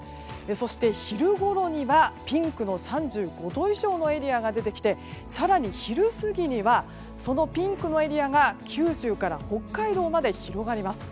そして昼ごろにはピンクの３５度以上のエリアが出てきて更に昼過ぎにはこのピンクのエリアが九州から北海道まで広がります。